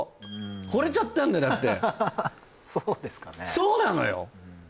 そうなのよ